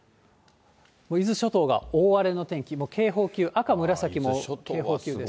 伊豆諸島が大荒れの天気、警報級、赤、紫、警報級です。